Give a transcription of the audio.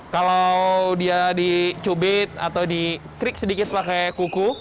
kalau dia dicubit atau dikrik sedikit pakai kuku